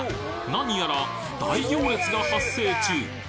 何やら大行列が発生中！